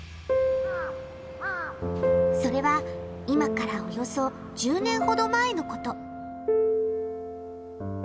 それは今からおよそ１０年ほど前のこと。